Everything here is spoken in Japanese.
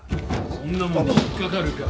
そんなもんに引っ掛かるか。